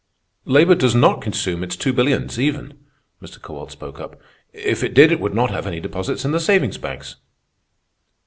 "Labor does not consume its two billions, even," Mr. Kowalt spoke up. "If it did, it would not have any deposits in the savings banks."